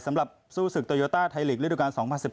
สำหรับสู้ศึกโตโยต้าไทยลีกฤดูการ๒๐๑๘